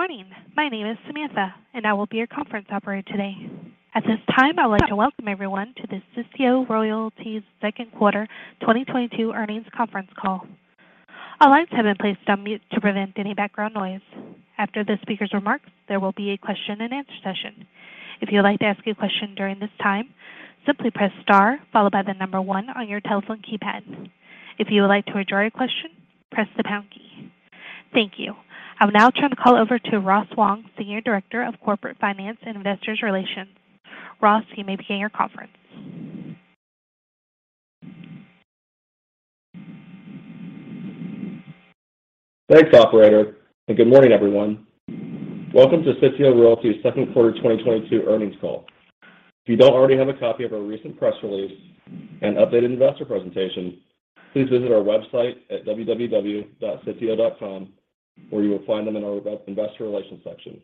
Good morning. My name is Samantha, and I will be your conference operator today. At this time, I would like to welcome everyone to the Sitio Royalties' second quarter 2022 earnings conference call. All lines have been placed on mute to prevent any background noise. After the speaker's remarks, there will be a question and answer session. If you would like to ask a question during this time, simply press star followed by the number one on your telephone keypad. If you would like to withdraw your question, press the pound key. Thank you. I will now turn the call over to Ross Wong, Senior Director of Corporate Finance and Investor Relations. Ross, you may begin your conference. Thanks, operator, and good morning, everyone. Welcome to Sitio Royalties' second quarter 2022 earnings call. If you don't already have a copy of our recent press release and updated investor presentation, please visit our website at www.sitio.com, where you will find them in our investor relations section.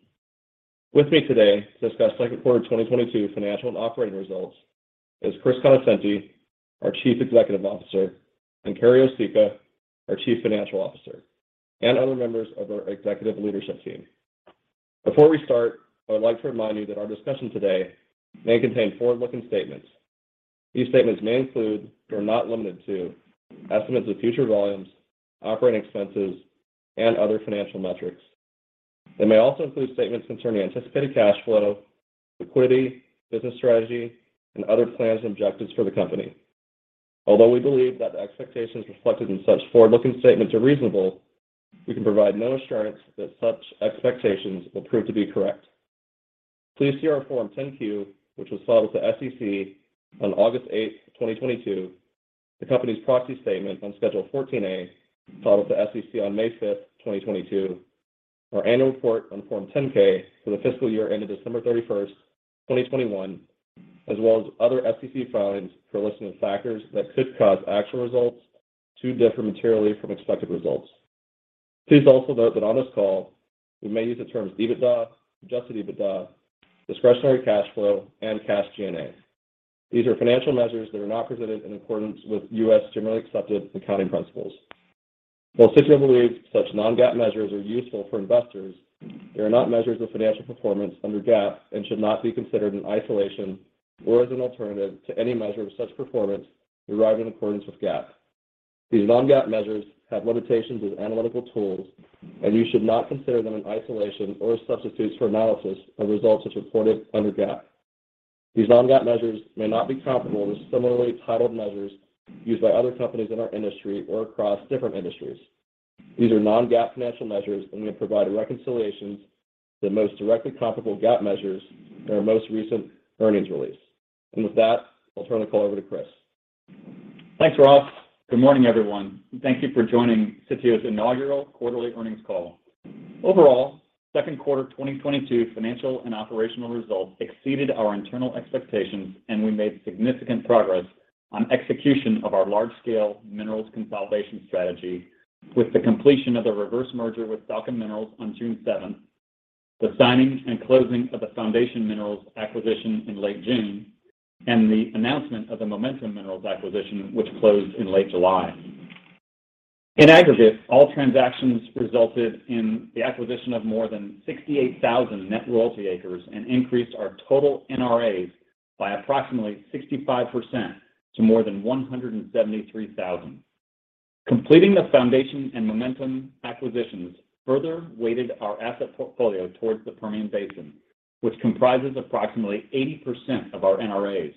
With me today to discuss second quarter 2022 financial and operating results is Chris Conoscenti, our Chief Executive Officer, and Carrie Osicka, our Chief Financial Officer, and other members of our executive leadership team. Before we start, I would like to remind you that our discussion today may contain forward-looking statements. These statements may include, but are not limited to, estimates of future volumes, operating expenses, and other financial metrics. They may also include statements concerning anticipated cash flow, liquidity, business strategy, and other plans and objectives for the company. Although we believe that the expectations reflected in such forward-looking statements are reasonable, we can provide no assurance that such expectations will prove to be correct. Please see our Form 10-Q, which was filed with the SEC on August 8, 2022, the company's proxy statement on Schedule 14A, filed with the SEC on May 5, 2022, our annual report on Form 10-K for the fiscal year ended December 31, 2021, as well as other SEC filings for a list of factors that could cause actual results to differ materially from expected results. Please also note that on this call, we may use the terms EBITDA, adjusted EBITDA, discretionary cash flow, and cash G&A. These are financial measures that are not presented in accordance with U.S. generally accepted accounting principles. While Sitio believes such non-GAAP measures are useful for investors, they are not measures of financial performance under GAAP and should not be considered in isolation or as an alternative to any measure of such performance derived in accordance with GAAP. These non-GAAP measures have limitations as analytical tools, and you should not consider them in isolation or as substitutes for analysis of results as reported under GAAP. These non-GAAP measures may not be comparable to similarly titled measures used by other companies in our industry or across different industries. These are non-GAAP financial measures, and we have provided reconciliations to the most directly comparable GAAP measures in our most recent earnings release. With that, I'll turn the call over to Chris. Thanks, Ross. Good morning, everyone, and thank you for joining Sitio's inaugural quarterly earnings call. Overall, second quarter 2022 financial and operational results exceeded our internal expectations, and we made significant progress on execution of our large-scale minerals consolidation strategy with the completion of the reverse merger with Falcon Minerals on June 7th, the signing and closing of the Foundation Minerals acquisition in late June, and the announcement of the Momentum Minerals acquisition, which closed in late July. In aggregate, all transactions resulted in the acquisition of more than 68,000 net royalty acres and increased our total NRAs by approximately 65% to more than 173,000. Completing the Foundation and Momentum acquisitions further weighted our asset portfolio towards the Permian Basin, which comprises approximately 80% of our NRAs.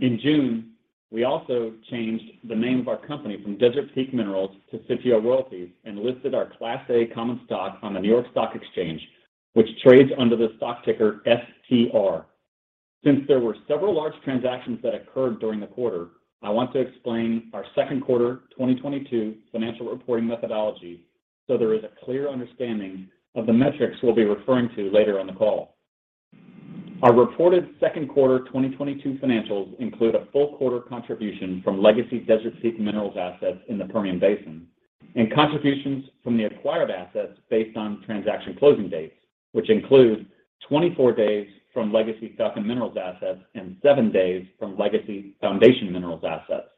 In June, we also changed the name of our company from Desert Peak Minerals to Sitio Royalties and listed our Class A common stock on the New York Stock Exchange, which trades under the stock ticker STR. Since there were several large transactions that occurred during the quarter, I want to explain our second quarter 2022 financial reporting methodology so there is a clear understanding of the metrics we'll be referring to later on the call. Our reported second quarter 2022 financials include a full quarter contribution from legacy Desert Peak Minerals assets in the Permian Basin and contributions from the acquired assets based on transaction closing dates, which include 24 days from legacy Falcon Minerals assets and seven days from legacy Foundation Minerals assets.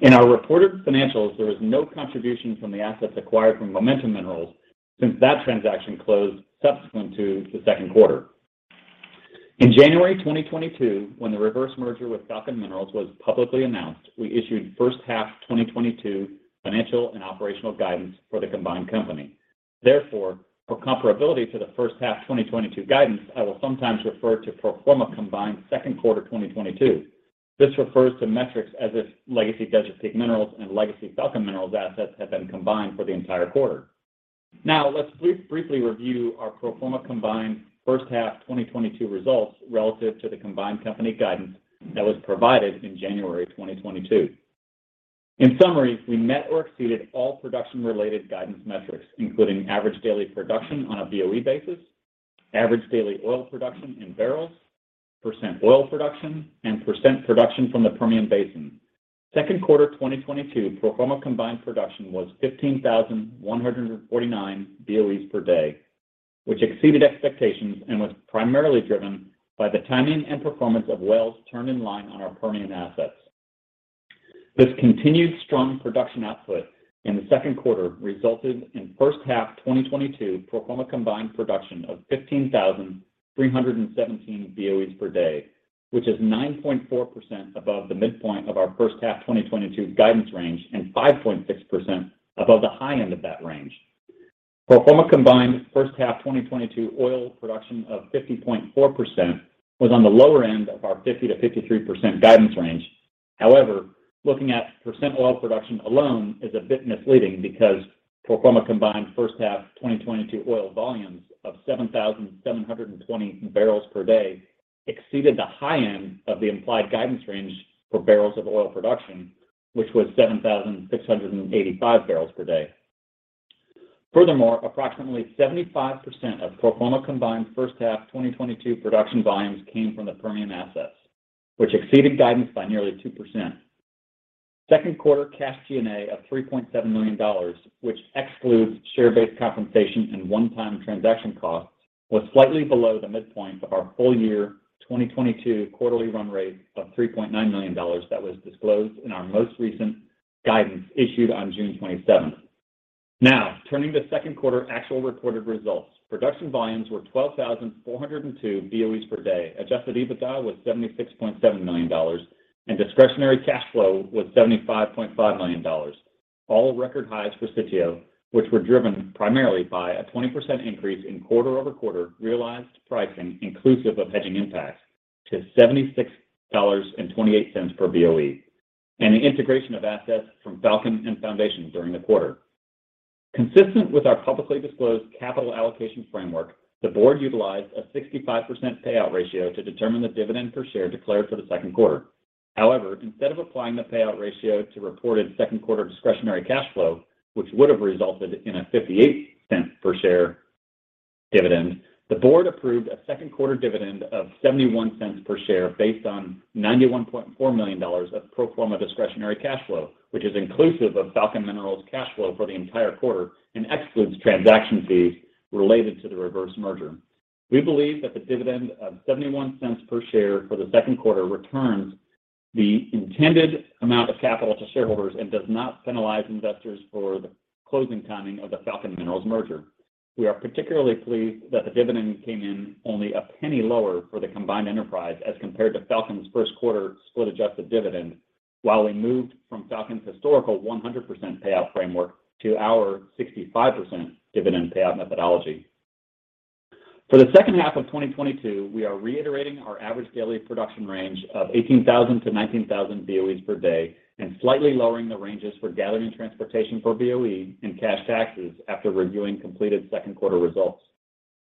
In our reported financials, there is no contribution from the assets acquired from Momentum Minerals since that transaction closed subsequent to the second quarter. In January 2022, when the reverse merger with Falcon Minerals was publicly announced, we issued first half 2022 financial and operational guidance for the combined company. Therefore, for comparability to the first half 2022 guidance, I will sometimes refer to pro forma combined second quarter 2022. This refers to metrics as if legacy Desert Peak Minerals and legacy Falcon Minerals assets had been combined for the entire quarter. Now let's briefly review our pro forma combined first half 2022 results relative to the combined company guidance that was provided in January 2022. In summary, we met or exceeded all production-related guidance metrics, including average daily production on a BOE basis, average daily oil production in barrels, percent oil production, and percent production from the Permian Basin. Second quarter 2022 pro forma combined production was 15,149 BOEs per day, which exceeded expectations and was primarily driven by the timing and performance of wells turned in line on our Permian assets. This continued strong production output in the second quarter resulted in first half 2022 pro forma combined production of 15,317 BOEs per day, which is 9.4% above the midpoint of our first half 2022 guidance range and 5.6% above the high end of that range. Pro forma combined first half 2022 oil production of 50.4% was on the lower end of our 50%-53% guidance range. However, looking at % oil production alone is a bit misleading because pro forma combined first half 2022 oil volumes of 7,720 bbl per day exceeded the high end of the implied guidance range for barrels of oil production, which was 7,685 bbl per day. Furthermore, approximately 75% of pro forma combined first half 2022 production volumes came from the Permian assets, which exceeded guidance by nearly 2%. Second quarter cash G&A of $3.7 million, which excludes share-based compensation and one-time transaction costs, was slightly below the midpoint of our full year 2022 quarterly run rate of $3.9 million that was disclosed in our most recent guidance issued on June 27th. Now, turning to second quarter actual reported results. Production volumes were 12,402 BOEs per day, adjusted EBITDA was $76.7 million, and discretionary cash flow was $75.5 million. All record highs for Sitio, which were driven primarily by a 20% increase in quarter-over-quarter realized pricing inclusive of hedging impacts to $76.28 per BOE, and the integration of assets from Falcon and Foundation during the quarter. Consistent with our publicly disclosed capital allocation framework, the board utilized a 65% payout ratio to determine the dividend per share declared for the second quarter. However, instead of applying the payout ratio to reported second quarter discretionary cash flow, which would have resulted in a $0.58 per share dividend, the board approved a second quarter dividend of $0.71 per share based on $91.4 million of pro forma discretionary cash flow, which is inclusive of Falcon Minerals cash flow for the entire quarter and excludes transaction fees related to the reverse merger. We believe that the dividend of $0.71 per share for the second quarter returns the intended amount of capital to shareholders and does not penalize investors for the closing timing of the Falcon Minerals merger. We are particularly pleased that the dividend came in only a penny lower for the combined enterprise as compared to Falcon Minerals's first quarter split-adjusted dividend while we moved from Falcon Minerals's historical 100% payout framework to our 65% dividend payout methodology. For the second half of 2022, we are reiterating our average daily production range of 18,000-19,000 BOEs per day and slightly lowering the ranges for gathering & transportation per BOE and cash taxes after reviewing completed second quarter results.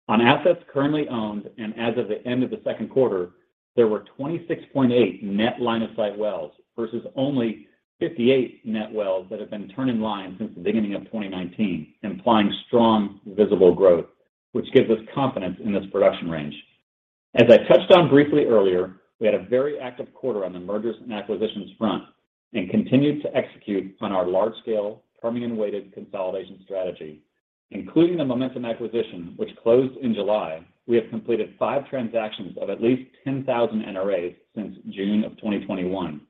On assets currently owned and as of the end of the second quarter, there were 26.8 net line-of-sight wells versus only 58 net wells that have been turning to line since the beginning of 2019, implying strong visible growth, which gives us confidence in this production range. As I touched on briefly earlier, we had a very active quarter on the mergers and acquisitions front and continued to execute on our large-scale Permian-weighted consolidation strategy. Including the Momentum acquisition, which closed in July, we have completed five transactions of at least 10,000 NRAs since June 2021.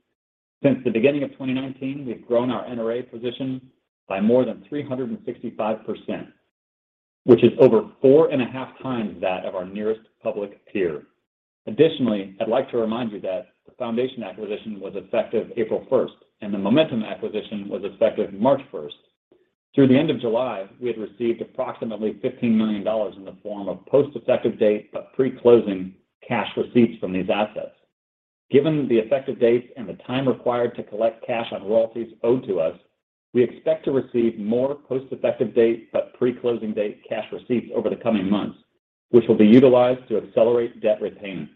Since the beginning of 2019, we've grown our NRA position by more than 365%, which is over 4.5x that of our nearest public peer. Additionally, I'd like to remind you that the Foundation acquisition was effective April 1, and the Momentum acquisition was effective March 1. Through the end of July, we had received approximately $15 million in the form of post-effective date, but pre-closing cash receipts from these assets. Given the effective dates and the time required to collect cash on royalties owed to us, we expect to receive more post-effective date, but pre-closing date cash receipts over the coming months, which will be utilized to accelerate debt repayment.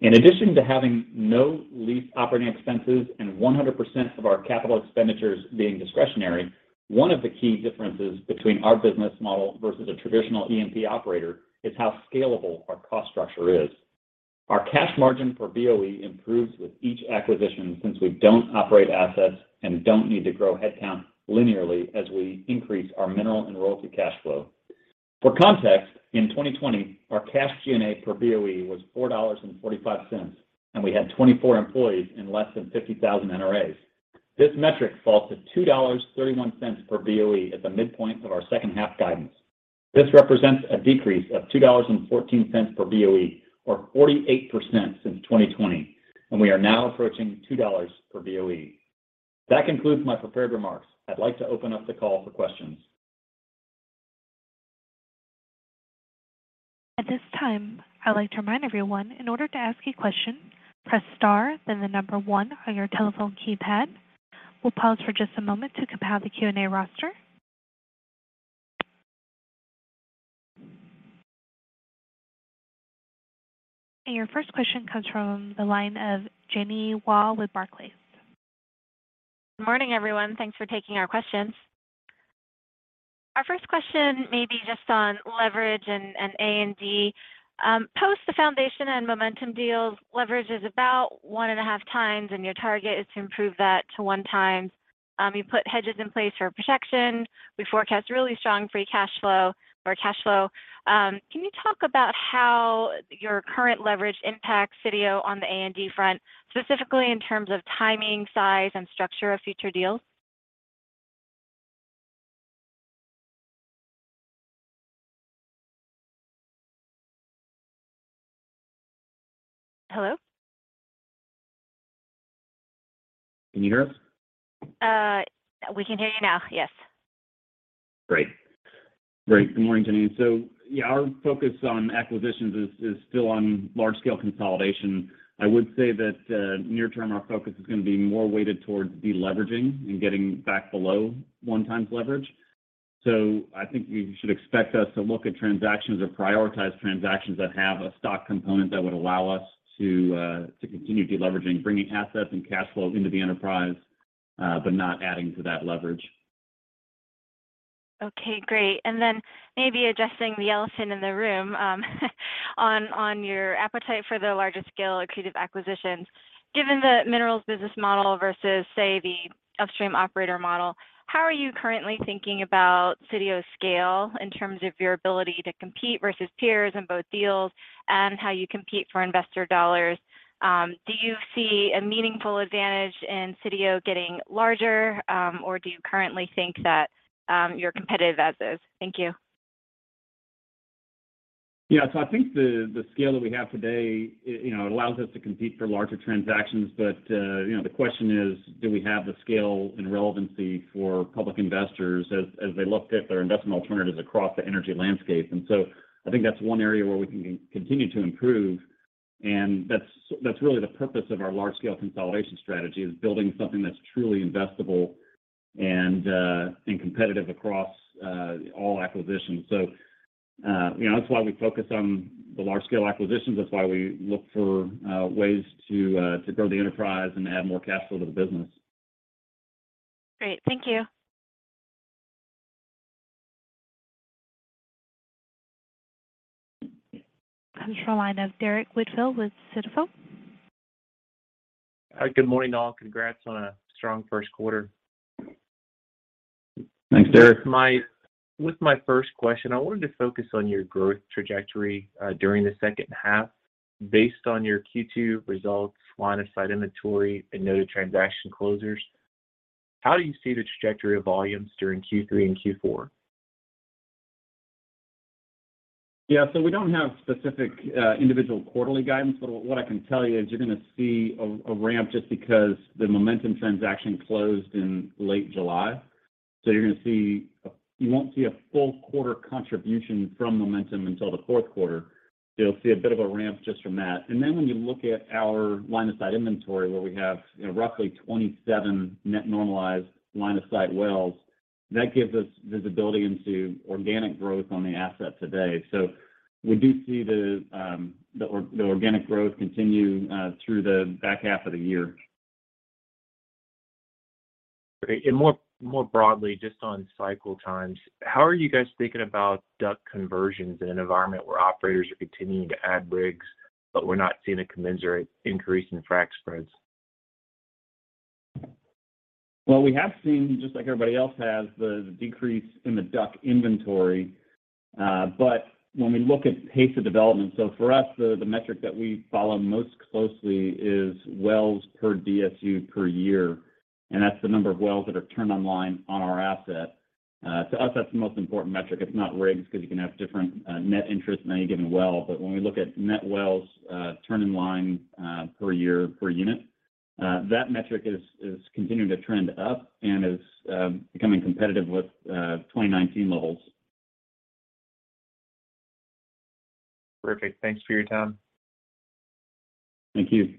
In addition to having no lease operating expenses and 100% of our capital expenditures being discretionary, one of the key differences between our business model versus a traditional E&P operator is how scalable our cost structure is. Our cash margin for BOE improves with each acquisition since we don't operate assets and don't need to grow headcount linearly as we increase our mineral and royalty cash flow. For context, in 2020, our cash G&A per BOE was $4.45, and we had 24 employees and less than 50,000 NRAs. This metric falls to $2.31 per BOE at the midpoint of our second half guidance. This represents a decrease of $2.14 per BOE or 48% since 2020, and we are now approaching $2 per BOE. That concludes my prepared remarks. I'd like to open up the call for questions. At this time, I'd like to remind everyone, in order to ask a question, press star then the number one on your telephone keypad. We'll pause for just a moment to compile the Q&A roster. Your first question comes from the line of Jeanine Wai with Barclays. Good morning, everyone. Thanks for taking our questions. Our first question may be just on leverage and A&D. Post the Foundation and Momentum deals, leverage is about 1.5x, and your target is to improve that to 1x. You put hedges in place for protection. We forecast really strong free cash flow or cash flow. Can you talk about how your current leverage impacts Sitio on the A&D front, specifically in terms of timing, size, and structure of future deals? Hello? Can you hear us? We can hear you now. Yes. Great. Good morning, Jeanine. Yeah, our focus on acquisitions is still on large-scale consolidation. I would say that near term, our focus is gonna be more weighted towards deleveraging and getting back below 1x leverage. I think you should expect us to look at transactions or prioritize transactions that have a stock component that would allow us to continue deleveraging, bringing assets and cash flow into the enterprise, but not adding to that leverage. Okay, great. Then maybe addressing the elephant in the room, on your appetite for the larger-scale accretive acquisitions. Given the minerals business model versus, say, the upstream operator model, how are you currently thinking about Sitio's scale in terms of your ability to compete versus peers in both deals and how you compete for investor dollars? Do you see a meaningful advantage in Sitio getting larger, or do you currently think that, you're competitive as is? Thank you. I think the scale that we have today you know allows us to compete for larger transactions. You know the question is, do we have the scale and relevancy for public investors as they look at their investment alternatives across the energy landscape? I think that's one area where we can continue to improve, and that's really the purpose of our large-scale consolidation strategy is building something that's truly investable and competitive across all acquisitions. You know that's why we focus on the large scale acquisitions. That's why we look for ways to grow the enterprise and add more capital to the business. Great. Thank you. Control line of Derrick Whitfield with Stifel. Good morning, all. Congrats on a strong first quarter. Thanks, Derrick. With my first question, I wanted to focus on your growth trajectory during the second half. Based on your Q2 results, line-of-sight inventory, and noted transaction closures, how do you see the trajectory of volumes during Q3 and Q4? Yeah. We don't have specific individual quarterly guidance, but what I can tell you is you're gonna see a ramp just because the Momentum transaction closed in late July. You won't see a full quarter contribution from Momentum until the fourth quarter. You'll see a bit of a ramp just from that. When you look at our line-of-sight inventory where we have, you know, roughly 27 net normalized line-of-sight wells, that gives us visibility into organic growth on the asset today. We do see the organic growth continue through the back half of the year. Great. More broadly, just on cycle times, how are you guys thinking about DUC conversions in an environment where operators are continuing to add rigs, but we're not seeing a commensurate increase in frac spreads? Well, we have seen, just like everybody else has, the decrease in the DUC inventory. When we look at pace of development, for us, the metric that we follow most closely is wells per DSU per year, and that's the number of wells that are turned online on our asset. To us, that's the most important metric. It's not rigs 'cause you can have different net interest in any given well. When we look at net wells turning online per year per unit, that metric is continuing to trend up and is becoming competitive with 2019 levels. Perfect. Thanks for your time. Thank you.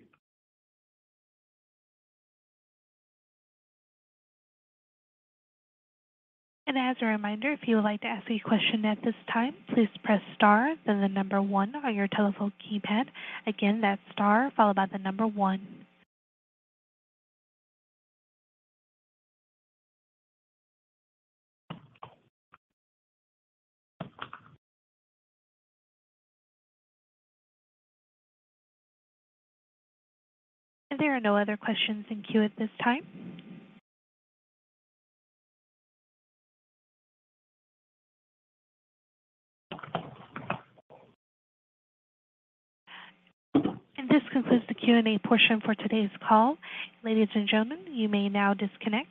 As a reminder, if you would like to ask any question at this time, please press star, then the number one on your telephone keypad. Again, that's star followed by the number one. There are no other questions in queue at this time. This concludes the Q&A portion for today's call. Ladies and gentlemen, you may now disconnect.